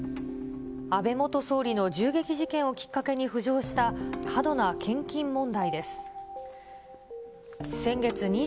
安倍元総理の銃撃事件をきっかけに浮上した過度な献金問題です。